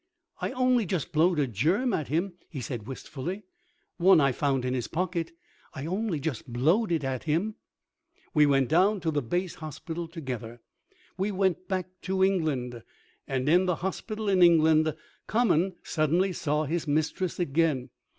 "I only just blowed a germ at him," he said wistfully "one I found in his pocket. I only just blowed it at him." We went down to the base hospital together; we went back to England. And in the hospital in England Common suddenly saw his mistress again.